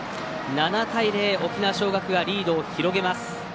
７対０、沖縄尚学がリードを広げます。